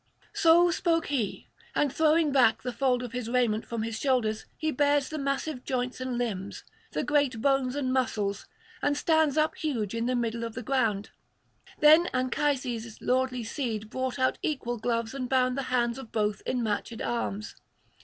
So spoke he, and throwing back the fold of his raiment from his shoulders, he bares the massive joints and limbs, the great bones and muscles, and stands up huge in the middle of the ground. Then Anchises' lordly seed brought out equal gloves and bound the hands of both in matched arms.